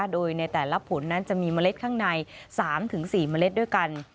โดยในแต่ละผลนั้นจะมีเมล็ดข้างใน๓๔เมล็ดด้วยกัน